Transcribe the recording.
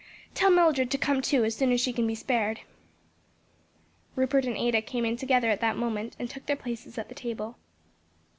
Tell Mildred to come too, as soon as she can be spared." Rupert and Ada came in together at that moment and took their places at the table.